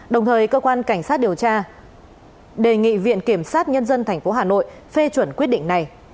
đồng thời cơ quan cảnh sát điều tra đề nghị viện kiểm sát nhân dân tp hà nội phê chuẩn quyết định này